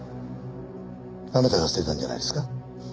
あなたが捨てたんじゃないですか？